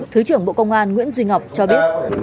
thứ trưởng bộ công an nguyễn duy ngọc cho biết